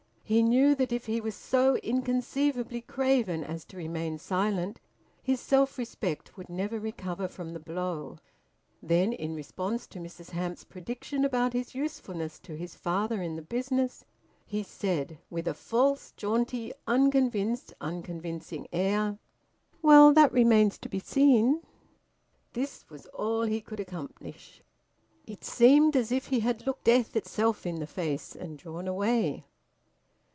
He knew that if he was so inconceivably craven as to remain silent, his self respect would never recover from the blow. Then, in response to Mrs Hamps's prediction about his usefulness to his father in the business, he said, with a false jaunty, unconvinced, unconvincing air "Well, that remains to be seen." This was all he could accomplish. It seemed as if he had looked death itself in the face, and drawn away.